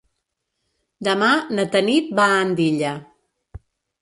Demà na Tanit va a Andilla.